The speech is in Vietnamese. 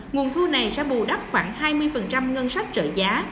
nguồn thu này sẽ bù đắp khoảng hai mươi ngân sách trợ giá